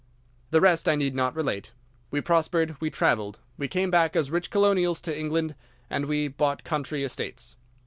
"'The rest I need not relate. We prospered, we travelled, we came back as rich colonials to England, and we bought country estates.